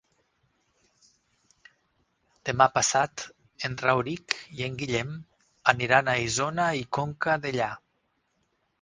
Demà passat en Rauric i en Guillem aniran a Isona i Conca Dellà.